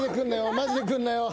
マジで来んなよ。